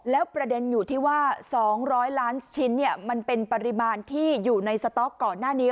แล้วประเด็นอยู่ที่ว่า๒๐๐ล้านชิ้นมันเป็นปริมาณที่อยู่ในสต๊อกก่อนหน้านี้